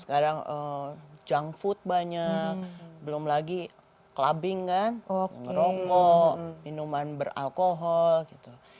sekarang junk food banyak belum lagi clubbing kan ngerokok minuman beralkohol gitu